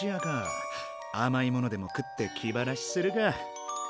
あまいものでも食って気晴らしするか。